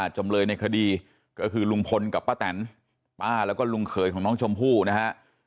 จำเลยในคดีก็คือลุงพลกับป้าแตนป้าแล้วก็ลุงเขยของน้องชมพู่นะฮะ